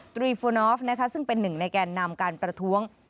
ตรีฟูนอฟซึ่งเป็นหนึ่งในแก่นามการประท้วง